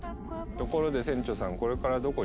ところで船長さんこれからどこ行く？